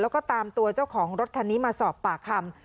แล้วก็ตามตัวเจ้าของรถคันนี้มาสอบปากคำ